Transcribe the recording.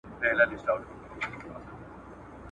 که راځې وروستی دیدن دی لګولي مي ډېوې دي ,